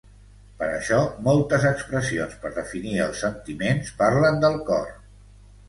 Per això moltes expressions per definir els sentiments parlen del cor.